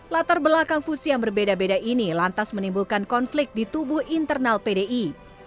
latar belakang fusi yang berbeda beda ini lantas menimbulkan konflik di tubuh internal pdi